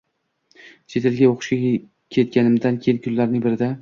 Chet elga o‘qishga ketganimdan keyin, kunlarning birida